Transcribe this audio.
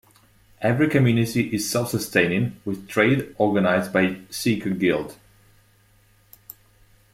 Every community is self-sustaining, with trade organized by the Seeker Guild.